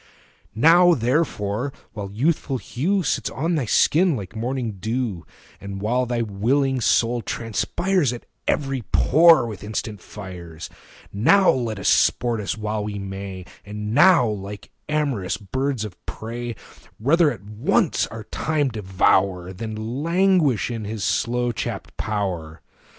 Now therefore, while the youthful hue Sits on thy skin like morning dew, And while thy willing soul transpires 35 At every pore with instant fires, Now let us sport us while we may, And now, like amorous birds of prey, Rather at once our time devour Than languish in his slow chapt power.